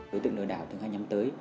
đối tượng lừa đảo thường hay nhắm tin